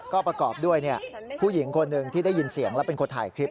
ก็ประกอบด้วยผู้หญิงคนหนึ่งที่ได้ยินเสียงและเป็นคนถ่ายคลิป